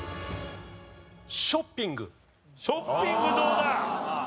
ショッピングどうだ？